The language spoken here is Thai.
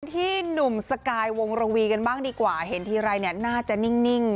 ที่หนุ่มสกายวงระวีกันบ้างดีกว่าเห็นทีไรเนี่ยน่าจะนิ่ง